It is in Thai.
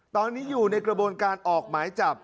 ตอนนี้อยู่ในกระบวนการออกหมายจับ